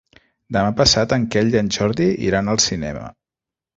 Demà passat en Quel i en Jordi iran al cinema.